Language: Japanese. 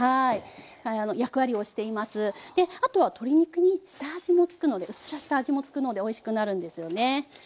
であとは鶏肉に下味もつくのでうっすら下味もつくのでおいしくなるんですよね。